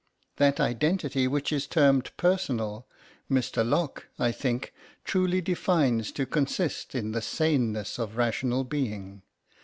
That identity which is termed personal, Mr. Locke, I think, truly defines to consist in the saneness of rational being.